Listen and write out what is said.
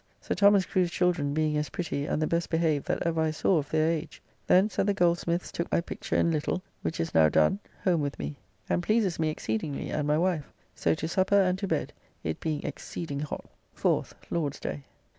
Sir Thomas Crew's children being as pretty and the best behaved that ever I saw of their age. Thence, at the goldsmith's, took my picture in little, [Miniature by Savill] which is now done, home with me, and pleases me exceedingly and my wife. So to supper and to bed, it being exceeding hot. 4th (Lord's day).